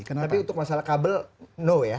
tapi untuk masalah kabel no ya